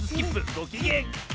ごきげん。